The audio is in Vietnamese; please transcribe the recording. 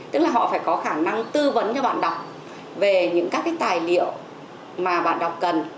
tức là họ phải có khả năng tư vấn cho bạn đọc về những các cái tài liệu mà bạn đọc cần